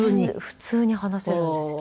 普通に話せるんですよ。